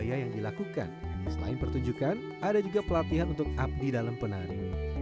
yang dilakukan selain pertunjukan ada juga pelatihan untuk abdi dalam penari